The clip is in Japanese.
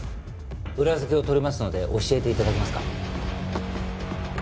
裏付けを取りますので教えて頂けますか。